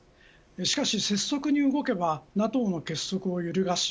しかし拙速に動けばＮＡＴＯの結束を揺るがし